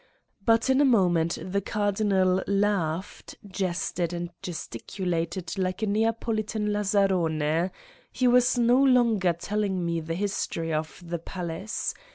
But in a moment the Cardinal laughed, jested and gesticulated like a Neapolitan lazzarone he was no longer telling me the history of the palace.